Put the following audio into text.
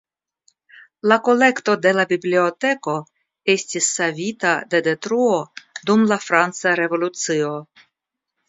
La kolekto de la biblioteko estis savita de detruo dum la franca Revolucio.